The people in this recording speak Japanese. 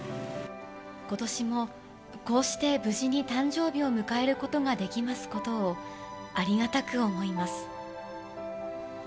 ことしもこうして無事に誕生日を迎えることができますことを、ありがたく思います。